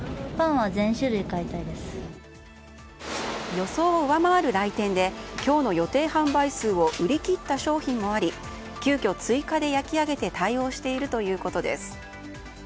予想を上回る来店で今日の予定販売数を売り切った商品もあり急きょ追加で焼き上げて対応しているということです。